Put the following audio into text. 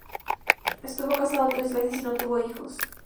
Estuvo casado tres veces y no tuvo hijos.